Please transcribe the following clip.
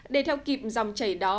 để theo kịp dòng chảy đó